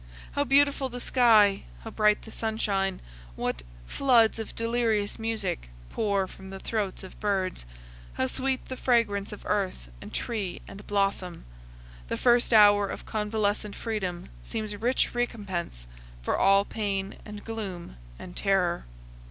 How beautiful the sky, how bright the sunshine, what "floods of delirious music" pour from the throats of birds, how sweet the fragrance TO THE FOOT OF THE GRAND CANYON. 285 of earth and tree and blossom! The first hour of convalescent freedom seems rich recompense for all pain and gloom and terror.